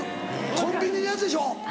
コンビニのやつでしょ？